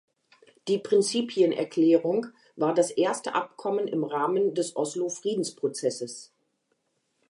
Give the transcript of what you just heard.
Die Prinzipienerklärung war das erste Abkommen im Rahmen des Oslo-Friedensprozesses.